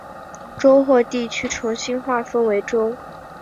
州或地区重新划分为州。